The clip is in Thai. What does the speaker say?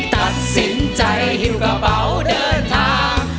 ตัดสินใจหิวกระเป๋าเดินทาง